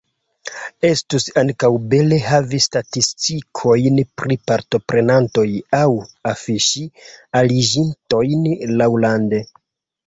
Estus ankaŭ bele havi statistikojn pri partoprenantoj aŭ afiŝi aliĝintojn laŭlande.